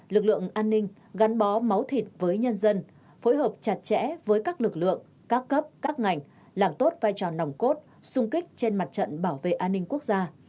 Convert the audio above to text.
lực lượng an ninh gắn bó máu thịt với nhân dân phối hợp chặt chẽ với các lực lượng các cấp các ngành làm tốt vai trò nòng cốt sung kích trên mặt trận bảo vệ an ninh quốc gia